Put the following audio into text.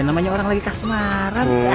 namanya orang lagi kasemaran